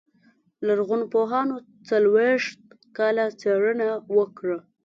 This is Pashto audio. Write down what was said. لرغونپوهانو څلوېښت کاله څېړنه وکړه.